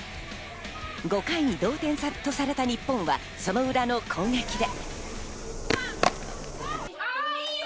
５回に同点とされた日本は、その裏の攻撃で。